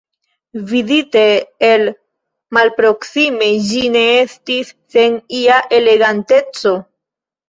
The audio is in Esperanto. Vidite el malproksime, ĝi ne estis sen ia eleganteco.